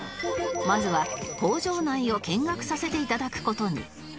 まずは工場内を見学させていただく事に